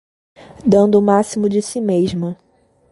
Dando o máximo de si mesma